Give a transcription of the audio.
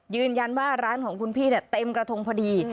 ยืนยันว่าร้านของคุณพี่เต็มกระทงพอดี